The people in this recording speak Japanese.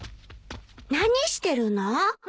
何してるの？